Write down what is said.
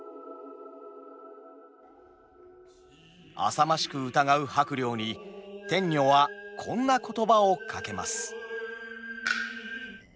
浅ましく疑う伯了に天女はこんな言葉をかけます。